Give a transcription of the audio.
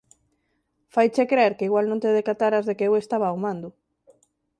Faiche crer que igual non te decataras de que eu estaba ao mando.